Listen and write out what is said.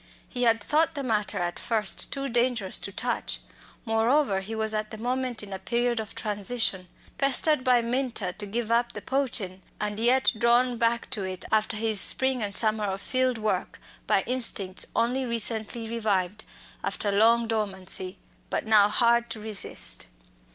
He had thought the matter at first too dangerous to touch. Moreover, he was at that moment in a period of transition, pestered by Minta to give up "the poachin'," and yet drawn back to it after his spring and summer of field work by instincts only recently revived, after long dormancy, but now hard to resist.